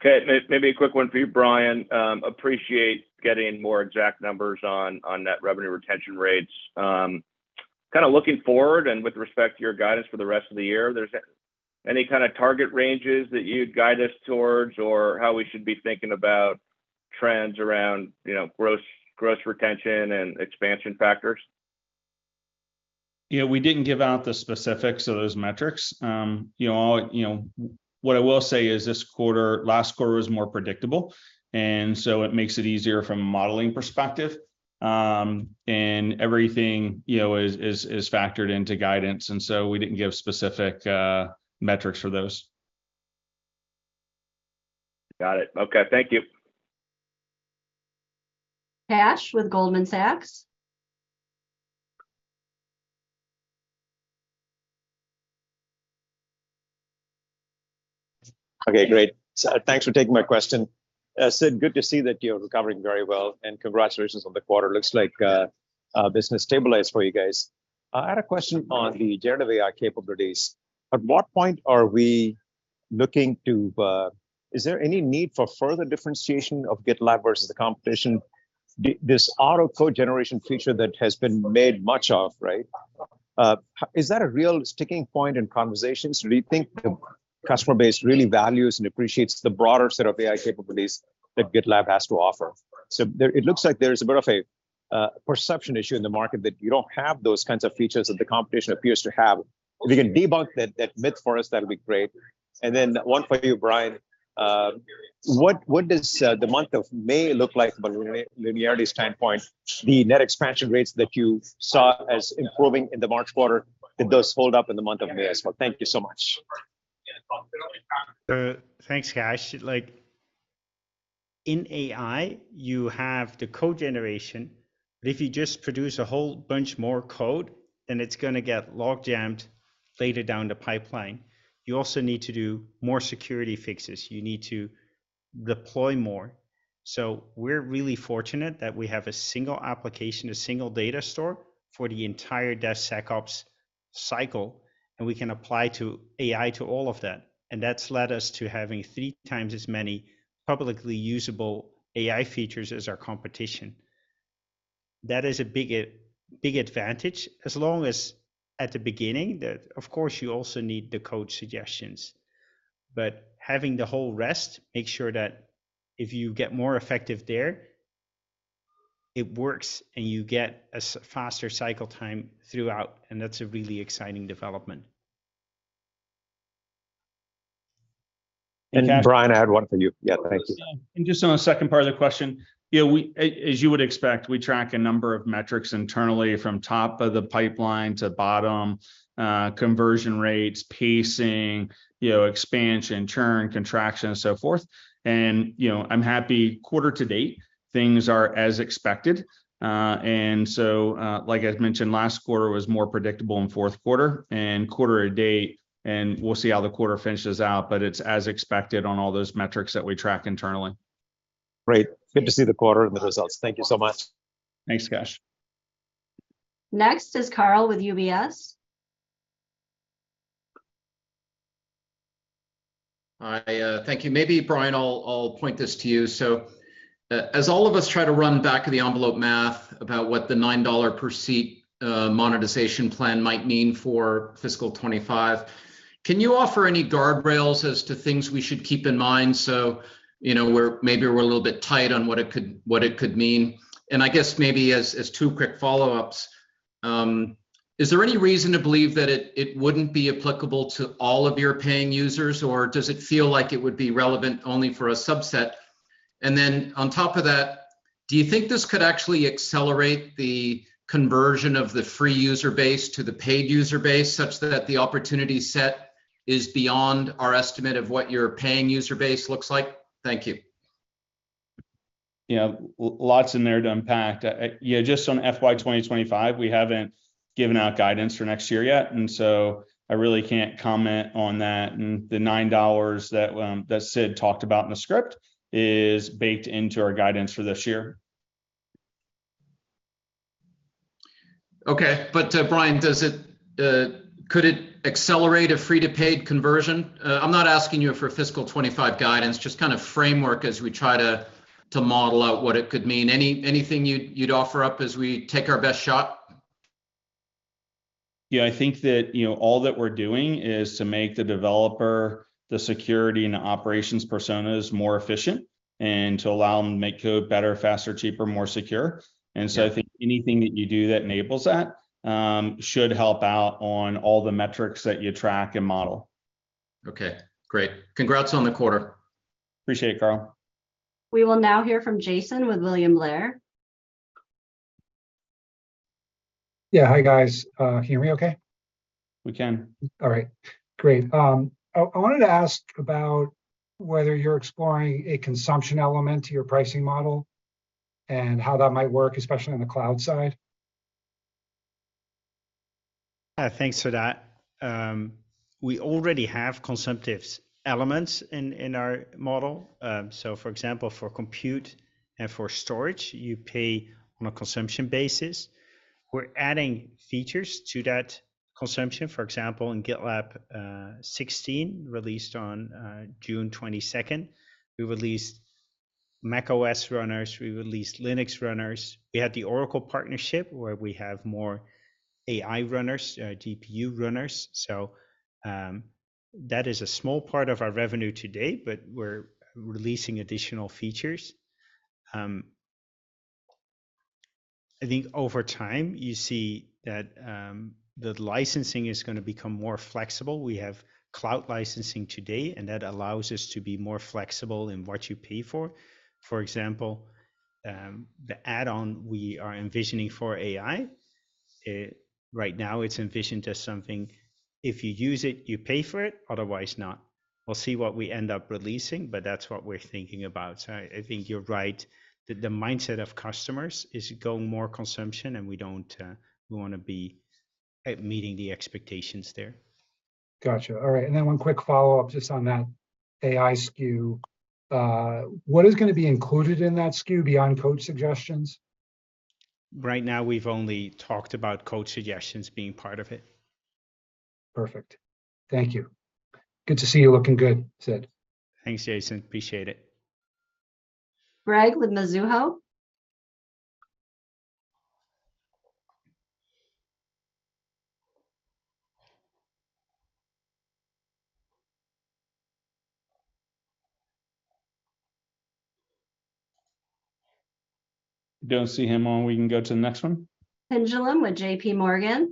Okay, maybe a quick one for you, Brian. Appreciate getting more exact numbers on net revenue retention rates. Kinda looking forward and with respect to your guidance for the rest of the year, there's any kind of target ranges that you'd guide us towards, or how we should be thinking about trends around, you know, gross retention and expansion factors? You know, we didn't give out the specifics of those metrics. You know, what I will say is this quarter, last quarter was more predictable, and so it makes it easier from a modeling perspective, and everything, you know, is factored into guidance, and so we didn't give specific metrics for those. Got it. Okay, thank you. Kash with Goldman Sachs. Okay, great. Thanks for taking my question. Sid, good to see that you're recovering very well, and congratulations on the quarter. Looks like business stabilized for you guys. I had a question on the generative AI capabilities. Is there any need for further differentiation of GitLab versus the competition? This auto code generation feature that has been made much of, right? Is that a real sticking point in conversations? Do you think the customer base really values and appreciates the broader set of AI capabilities that GitLab has to offer? It looks like there's a bit of a perception issue in the market that you don't have those kinds of features that the competition appears to have. If you can debunk that myth for us, that'll be great. Then one for you, Brian, what does the month of May look like from a linearity standpoint? The net expansion rates that you saw as improving in the March quarter, did those hold up in the month of May as well? Thank you so much. Thanks, Kash. In AI, you have the code generation, if you just produce a whole bunch more code, then it's going to get log jammed later down the pipeline. You also need to do more security fixes. You need to deploy more. We're really fortunate that we have a single application, a single data store for the entire DevSecOps cycle, we can apply to AI to all of that's led us to having 3x as many publicly usable AI features as our competition. That is a big advantage as long as at the beginning, that, of course, you also need the Code Suggestions. Having the whole rest, make sure that if you get more effective there, it works, and you get a faster cycle time throughout, that's a really exciting development. Brian, I had one for you. Yeah, thank you. Just on the second part of the question, yeah, we, as you would expect, we track a number of metrics internally from top of the pipeline to bottom, conversion rates, pacing, you know, expansion, churn, contraction, and so forth. You know, I'm happy quarter to date, things are as expected. Like I mentioned, last quarter was more predictable in Q4, and quarter to date, and we'll see how the quarter finishes out, but it's as expected on all those metrics that we track internally. Great. Good to see the quarter and the results. Thank you so much. Thanks, Kash. Next is Karl with UBS. Hi, thank you. Maybe, Brian, I'll point this to you. As all of us try to run back-of-the-envelope math about what the $9 per seat monetization plan might mean for fiscal 25, can you offer any guardrails as to things we should keep in mind so, you know, maybe we're a little bit tight on what it could mean? I guess maybe as two quick follow-ups, is there any reason to believe that it wouldn't be applicable to all of your paying users, or does it feel like it would be relevant only for a subset? On top of that, do you think this could actually accelerate the conversion of the free user base to the paid user base, such that the opportunity set is beyond our estimate of what your paying user base looks like? Thank you. Yeah. Lots in there to unpack. Yeah, just on FY 2025, we haven't given out guidance for next year yet. I really can't comment on that. The $9 that Sid talked about in the script is baked into our guidance for this year. Okay, Brian, does it, could it accelerate a free-to-paid conversion? I'm not asking you for fiscal 25 guidance, just kind of framework as we try to model out what it could mean. Anything you'd offer up as we take our best shot? Yeah, I think that, you know, all that we're doing is to make the developer, the security, and the operations personas more efficient and to allow them to make code better, faster, cheaper, more secure. Yeah. I think anything that you do that enables that, should help out on all the metrics that you track and model. Okay, great. Congrats on the quarter. Appreciate it, Karl. We will now hear from Jason with William Blair. Yeah. Hi, guys. hear me okay? We can. All right, great. I wanted to ask about whether you're exploring a consumption element to your pricing model and how that might work, especially on the cloud side. Thanks for that. We already have consumptive elements in our model. For example, for compute and for storage, you pay on a consumption basis. We're adding features to that consumption. For example, in GitLab 16, released on June 22nd, we released macOS runners, we released Linux runners. We had the Oracle partnership, where we have more AI runners, GPU runners. That is a small part of our revenue to date, but we're releasing additional features. I think over time, you see that the licensing is going to become more flexible. We have Cloud Licensing today, and that allows us to be more flexible in what you pay for. For example, the add-on we are envisioning for AI, right now it's envisioned as something if you use it, you pay for it, otherwise not. We'll see what we end up releasing, but that's what we're thinking about. I think you're right that the mindset of customers is go more consumption, and we don't, we want to be at meeting the expectations there. Gotcha. All right, then one quick follow-up just on that AI SKU. What is going to be included in that SKU beyond Code Suggestions? Right now, we've only talked about Code Suggestions being part of it. Perfect. Thank you. Good to see you looking good, Sid. Thanks, Jason. Appreciate it. Gregg with Mizuho? Don't see him on. We can go to the next one. Pinjalim with JPMorgan.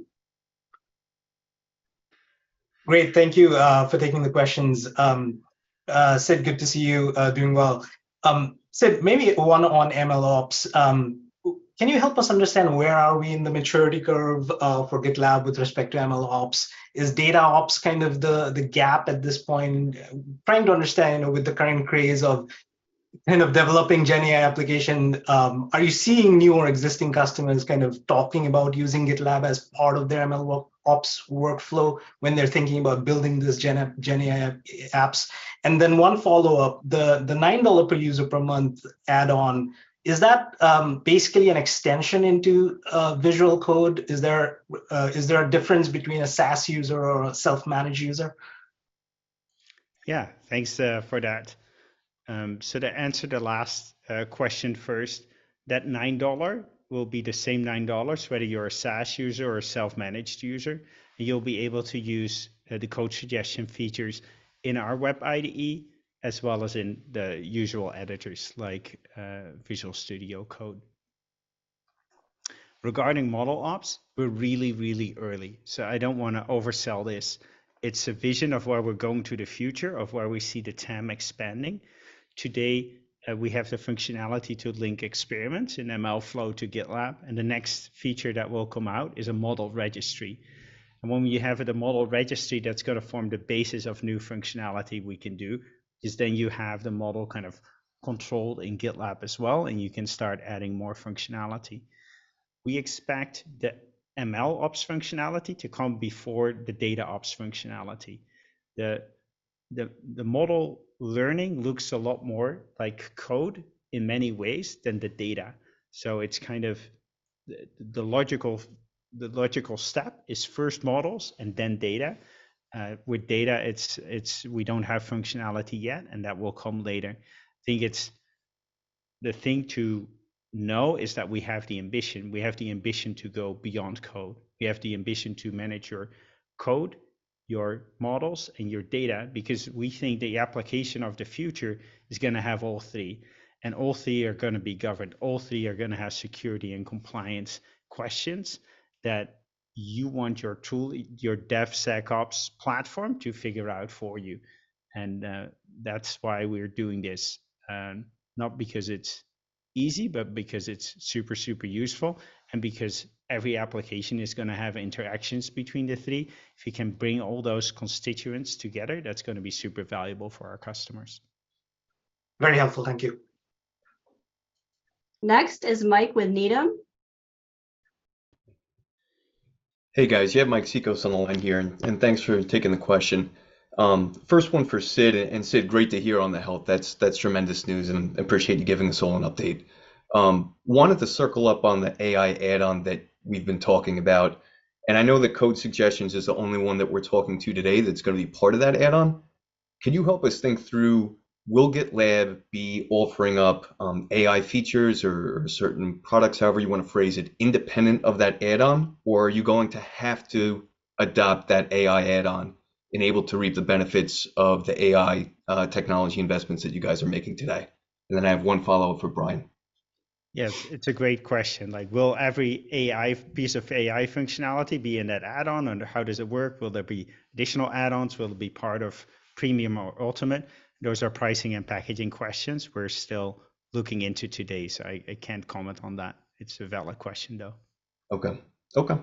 Great. Thank you for taking the questions. Sid, good to see you doing well. Sid, maybe one on MLOps. Can you help us understand where are we in the maturity curve for GitLab with respect to MLOps? Is DataOps kind of the gap at this point? Trying to understand with the current craze of kind of developing GenAI application, are you seeing new or existing customers kind of talking about using GitLab as part of their MLOps workflow when they're thinking about building this GenAI apps? One follow-up, the $9 per user per month add-on, is that basically an extension into visual code? Is there a difference between a SaaS user or a self-managed user? Thanks for that. To answer the last question first, that $9 will be the same $9, whether you're a SaaS user or a self-managed user. You'll be able to use the Code Suggestions features in our Web IDE, as well as in the usual editors, like Visual Studio Code. Regarding MLOps, we're really, really early, so I don't want to oversell this. It's a vision of where we're going to the future, of where we see the TAM expanding. Today, we have the functionality to link experiments in MLflow to GitLab, and the next feature that will come out is a model registry. When you have the model registry, that's going to form the basis of new functionality we can do, is then you have the model kind of controlled in GitLab as well, and you can start adding more functionality. We expect the MLOps functionality to come before the DataOps functionality. The model learning looks a lot more like code in many ways than the data, so it's kind of the logical step is first models and then data. With data, we don't have functionality yet, and that will come later. I think it's the thing to know is that we have the ambition. We have the ambition to go beyond code. We have the ambition to manage your code, your models, and your data because we think the application of the future is going to have all three, and all three are going to be governed. All three are going to have security and compliance questions that you want your tool, your DevSecOps platform to figure out for you. That's why we're doing this. Not because it's easy, but because it's super useful, and because every application is going to have interactions between the three. If we can bring all those constituents together, that's going to be super valuable for our customers. Very helpful. Thank you. Next is Mike with Needham. Hey, guys. You have Mike Cikos on the line here, and thanks for taking the question. First one for Sid, and, Sid, great to hear on the health. That's tremendous news, and appreciate you giving us all an update. Wanted to circle up on the AI add-on that we've been talking about, and I know that Code Suggestions is the only one that we're talking to today that's going to be part of that add-on. Can you help us think through, will GitLab be offering up AI features or certain products, however you want to phrase it, independent of that add-on, or are you going to have to adopt that AI add-on and able to reap the benefits of the AI technology investments that you guys are making today? Then I have one follow-up for Brian. Yes, it's a great question. Like, will every AI, piece of AI functionality be in that add-on, and how does it work? Will there be additional add-ons? Will it be part of Premium or Ultimate? Those are pricing and packaging questions we're still looking into today, so I can't comment on that. It's a valid question, though. Okay. Okay.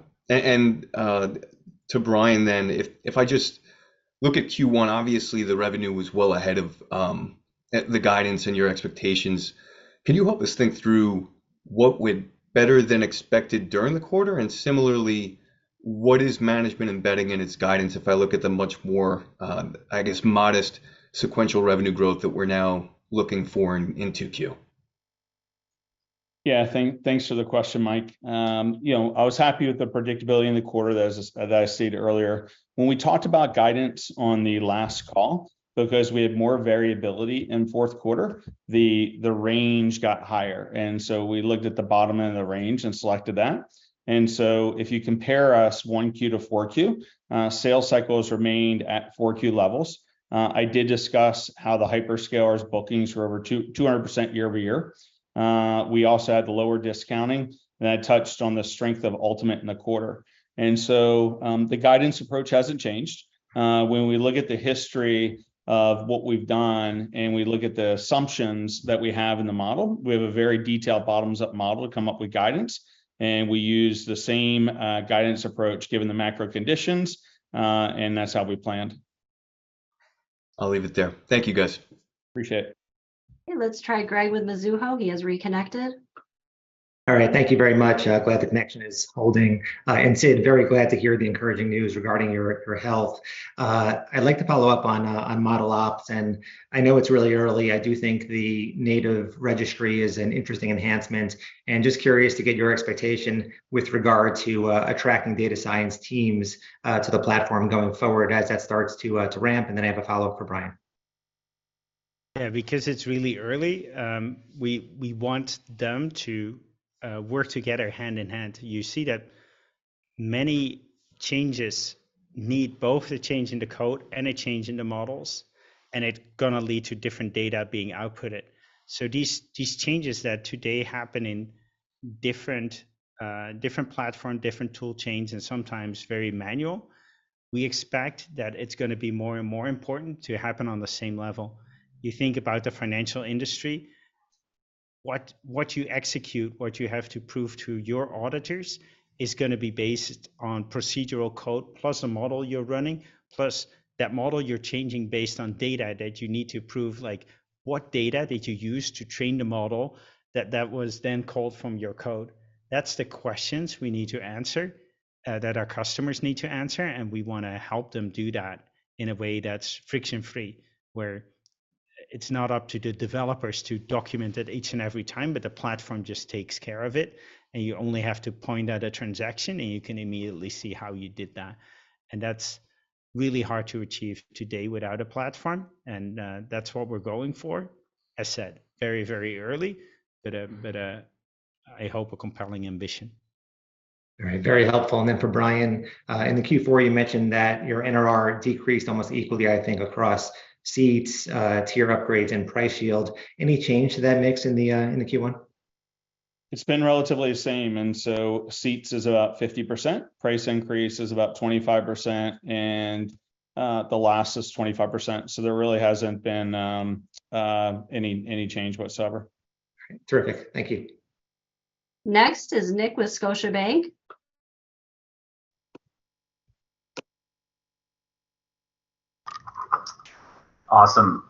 To Brian, then, if I just look at Q1, obviously the revenue was well ahead of the guidance and your expectations. Can you help us think through what went better than expected during the quarter? Similarly, what is management embedding in its guidance if I look at the much more, I guess, modest sequential revenue growth that we're now looking for in Q2? Yeah, thanks for the question, Mike. you know, I was happy with the predictability in the quarter, as I stated earlier. When we talked about guidance on the last call, because we had more variability in Q4, the range got higher, and so we looked at the bottom end of the range and selected that. If you compare us Q1 to Q4, sales cycles remained at Q4 levels. I did discuss how the hyperscalers' bookings were over 200% year-over-year. We also had the lower discounting, and I touched on the strength of Ultimate in the quarter. The guidance approach hasn't changed. When we look at the history of what we've done, and we look at the assumptions that we have in the model, we have a very detailed bottoms-up model to come up with guidance, and we use the same guidance approach, given the macro conditions, and that's how we planned. I'll leave it there. Thank you, guys. Appreciate it. Okay, let's try Gregg with Mizuho. He has reconnected. All right, thank you very much. glad the connection is holding. Sid, very glad to hear the encouraging news regarding your health. I'd like to follow up on ModelOps, and I know it's really early. I do think the native registry is an interesting enhancement, and just curious to get your expectation with regard to attracting data science teams to the platform going forward as that starts to ramp, and then I have a follow-up for Brian. Yeah, because it's really early, we want them to work together hand in hand. You see that many changes need both a change in the code and a change in the models, and it's going to lead to different data being outputted. These, these changes that today happen in different platform, different tool chains, and sometimes very manual, we expect that it's going to be more and more important to happen on the same level. You think about the financial industry, what you execute, what you have to prove to your auditors is going to be based on procedural code, plus the model you're running, plus that model you're changing based on data that you need to prove, like what data did you use to train the model that was then called from your code? That's the questions we need to answer, that our customers need to answer, and we want to help them do that in a way that's friction-free, where it's not up to the developers to document it each and every time, but the platform just takes care of it, and you only have to point out a transaction, and you can immediately see how you did that. That's really hard to achieve today without a platform, that's what we're going for. As said, very, very early, but a, I hope, a compelling ambition. All right. Very helpful. For Brian, in the Q4, you mentioned that your NRR decreased almost equally, I think, across seats, tier upgrades, and price yield. Any change to that mix in the Q1? It's been relatively the same, and so seats is about 50%, price increase is about 25%, and the last is 25%. There really hasn't been any change whatsoever. Terrific. Thank you. Next is Nick with Scotiabank. Awesome.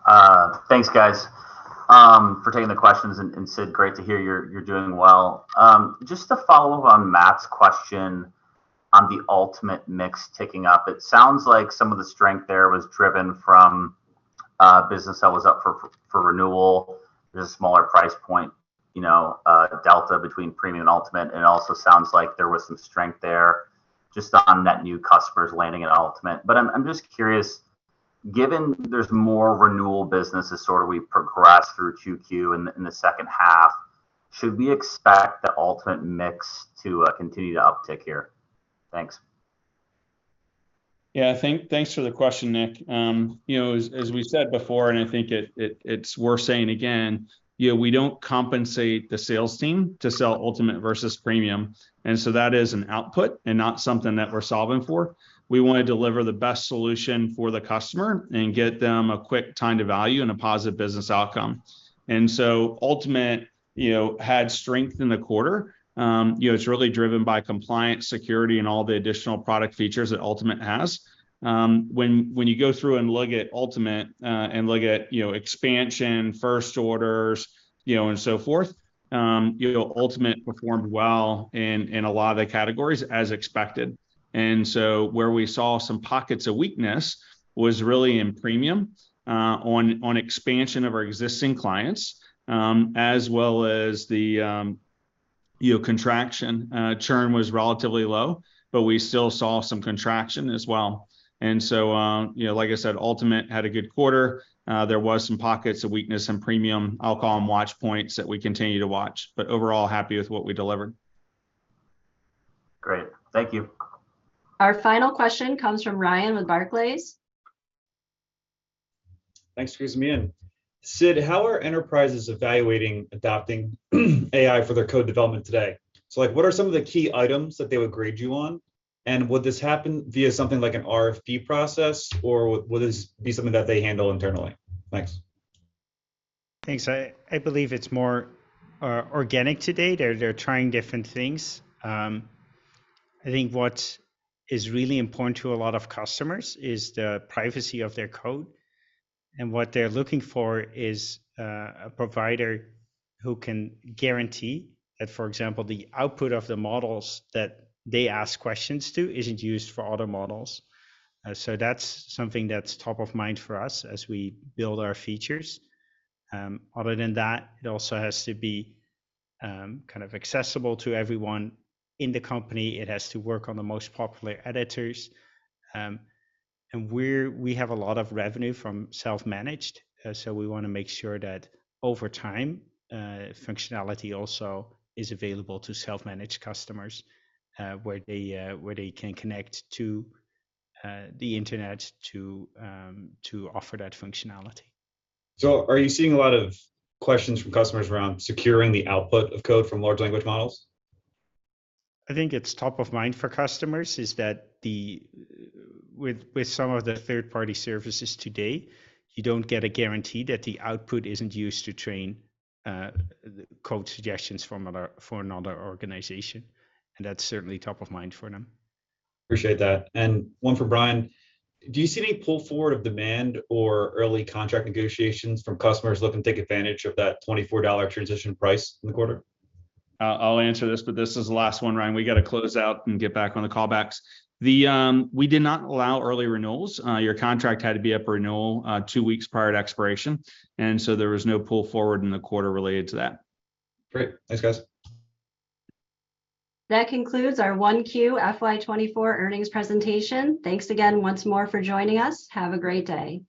Thanks, guys, for taking the questions, and Sid, great to hear you're doing well. Just to follow up on Matt's question on the Ultimate mix ticking up, it sounds like some of the strength there was driven from business that was up for renewal. There's a smaller price point, you know, delta between Premium and Ultimate, it also sounds like there was some strength there just on net new customers landing in Ultimate. I'm just curious, given there's more renewal business as sort of we progress through Q2 in the H2, should we expect the Ultimate mix to continue to uptick here? Thanks. Thanks for the question, Nick. You know, as we said before, and I think it's worth saying again, you know, we don't compensate the sales team to sell Ultimate versus Premium. That is an output and not something that we're solving for. We want to deliver the best solution for the customer and get them a quick time to value and a positive business outcome. Ultimate, you know, had strength in the quarter. You know, it's really driven by compliance, security, and all the additional product features that Ultimate has. When you go through and look at Ultimate, and look at, you know, expansion, first orders, you know, and so forth, you know, Ultimate performed well in a lot of the categories as expected. Where we saw some pockets of weakness was really in Premium, on expansion of our existing clients, as well as the, you know, contraction. Churn was relatively low, but we still saw some contraction as well. You know, like I said, Ultimate had a good quarter. There was some pockets of weakness in Premium. I'll call them watch points that we continue to watch, but overall, happy with what we delivered. Great. Thank you. Our final question comes from Ryan with Barclays. Thanks for putting me in. Sid, how are enterprises evaluating adopting AI for their code development today? Like, what are some of the key items that they would grade you on? Would this happen via something like an RFP process, or would this be something that they handle internally? Thanks. Thanks. I believe it's more organic today. They're trying different things. I think what is really important to a lot of customers is the privacy of their code, and what they're looking for is a provider who can guarantee that, for example, the output of the models that they ask questions to isn't used for other models. That's something that's top of mind for us as we build our features. Other than that, it also has to be kind of accessible to everyone in the company. It has to work on the most popular editors. We have a lot of revenue from self-managed, so we want to make sure that over time, functionality also is available to self-managed customers, where they, where they can connect to the internet to offer that functionality. Are you seeing a lot of questions from customers around securing the output of code from large language models? I think it's top of mind for customers, is that the With some of the third-party services today, you don't get a guarantee that the output isn't used to train Code Suggestions for another organization. That's certainly top of mind for them. Appreciate that. One for Brian: Do you see any pull forward of demand or early contract negotiations from customers looking to take advantage of that $24 transition price in the quarter? I'll answer this, but this is the last one, Ryan. We got to close out and get back on the callbacks. We did not allow early renewals. Your contract had to be up for renewal, two weeks prior to expiration. There was no pull forward in the quarter related to that. Great. Thanks, guys. That concludes our Q1 FY24 earnings presentation. Thanks again once more for joining us. Have a great day.